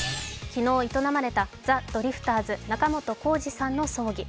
昨日営まれたザ・ドリフターズ・仲本工事さんの葬儀。